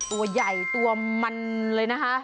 ตัวใหญ่ตัวมันเลยนะคะ